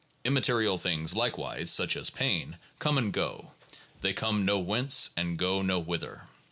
Immaterial things likewise, such as pain, come and go ; they come nowhence and go nowhither.